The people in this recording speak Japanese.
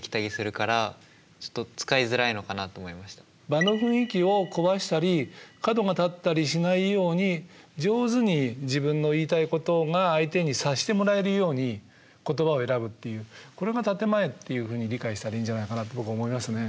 場の雰囲気を壊したり角が立ったりしないように上手に自分の言いたいことが相手に察してもらえるように言葉を選ぶっていうこれが建て前っていうふうに理解したらいいんじゃないかなって僕は思いますね。